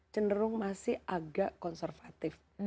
cenderung masih agak konservatif